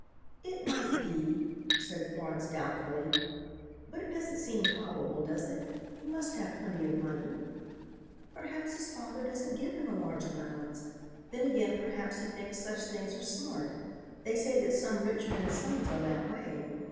"It might be," said Florence doubtfully, "but it doesn't seem probable, does it? He must have plenty of money." "Perhaps his father doesn't give him a large allowance. Then, again, perhaps, he thinks such things are smart. They say that some rich men's sons are that way.